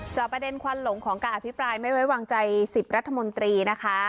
ประเด็นควันหลงของการอภิปรายไม่ไว้วางใจ๑๐รัฐมนตรีนะคะ